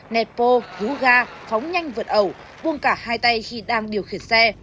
netpo duga phóng nhanh vượt ẩu buông cả hai tay khi đang điều khiển xe